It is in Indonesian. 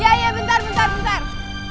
ya ya bentar bentar bentar